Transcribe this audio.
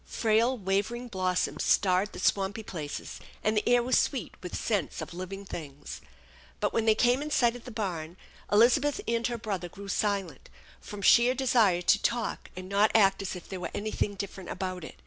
Frail wavering blossoms starred the swampy places, and the air was sweet with scents of living things. But, when they came in sight of the barn, Elizabeth and her brother grew silent from sheer desire to talk and not act as if there was anything different about it.